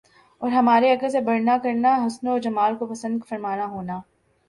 اور ہماری عقل سے بڑھنا کرنا اور حسن و جمال کو پسند فرمانا ہونا